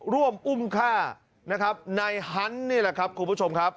ร่วมอุ้มฆ่านะครับในฮันต์นี่แหละครับคุณผู้ชมครับ